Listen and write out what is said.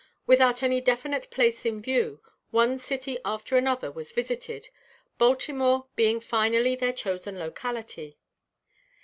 Without any definite place in view, one city after another was visited, Baltimore being finally their chosen locality.